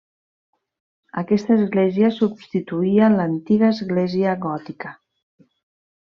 Aquesta església substituïa l'antiga església gòtica.